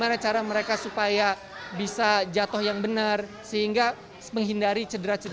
saya juga akan merawationalattered value karena juga kita ada pilihan di aturan ini cooked and we belt